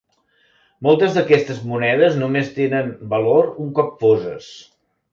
Moltes d'aquestes monedes només tenen valor un cop foses.